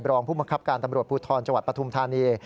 รองผู้บังคับการตำรวจภูทรจังหวัดปฐุมธานี